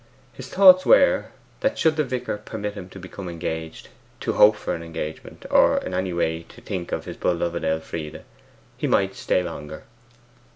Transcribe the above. His thoughts were, that should the vicar permit him to become engaged, to hope for an engagement, or in any way to think of his beloved Elfride, he might stay longer.